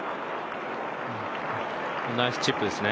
ナイスチップですね